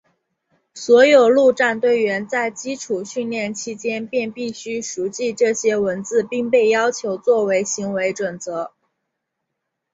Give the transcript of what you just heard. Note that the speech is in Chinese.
所有陆战队员在基础训练期间便必须熟记这些文字并被要求作为行为准则。